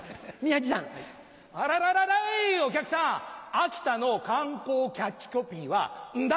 秋田の観光キャッチコピーは「んだ。